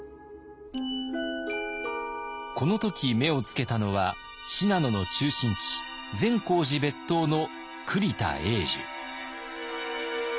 この時目をつけたのは信濃の中心地善光寺別当の栗田永寿。